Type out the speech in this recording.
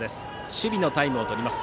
守備のタイムをとります。